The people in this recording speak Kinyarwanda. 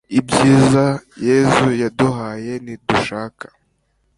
ibyiza yezu yaduhaye nidushaka